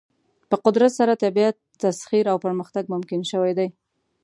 په قدرت سره طبیعت تسخیر او پرمختګ ممکن شوی دی.